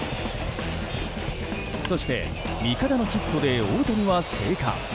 そして味方のヒットで大谷は生還。